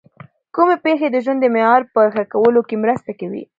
کومې پېښې د ژوند د معیار په ښه کولو کي مرسته کوي؟